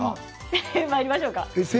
まいりましょう。